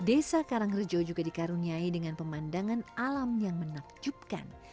desa karangrejo juga dikaruniai dengan pemandangan alam yang menakjubkan